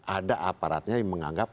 ada aparatnya yang menganggap